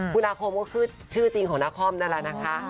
คุณอาคมก็คือชื่อจริงของนาคอมนั่นแหละนะคะ